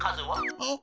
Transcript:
えっ？